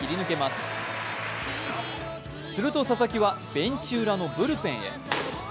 すると佐々木はベンチ裏のブルペンへ。